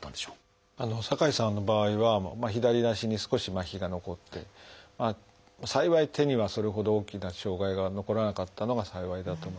酒井さんの場合は左足に少しまひが残って幸い手にはそれほど大きな障害が残らなかったのが幸いだと思います。